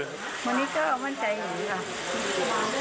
วันนี้ก็มั่นใจอย่างนี้ค่ะ